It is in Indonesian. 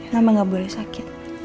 mama gak boleh sakit